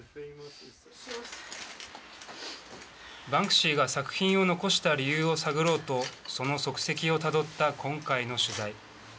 バンクシーが作品を残した理由を探ろうとその足跡をたどった今回の取材。